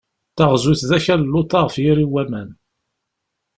Taɣzut d akal n luḍa ɣef yiri n waman.